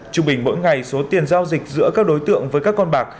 trung bình mỗi ngày số tiền giao dịch giữa các đối tượng với các con bạc